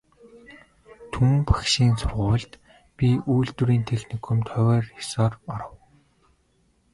Түмэн багшийн сургуульд, би үйлдвэрийн техникумд хувиар ёсоор оров.